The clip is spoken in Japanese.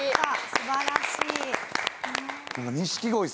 素晴らしい。